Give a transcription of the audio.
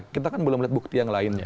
kita kan belum lihat bukti yang lainnya